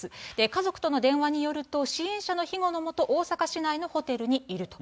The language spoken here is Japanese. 家族との連絡によると、支援者の庇護の下、大阪市内のホテルにいると。